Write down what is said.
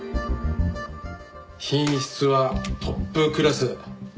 品質はトップクラス。